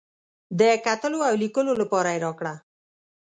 د کتلو او لیکلو لپاره یې راکړه.